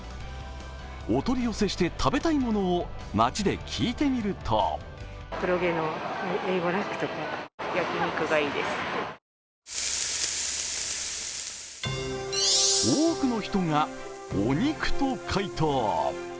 お取り寄せして食べたいものを街で聞いてみると多くの人がお肉と回答。